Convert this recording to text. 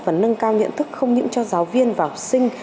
và nâng cao nhận thức không những cho giáo viên và học sinh